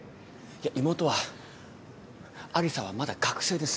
いや妹は有沙はまだ学生です。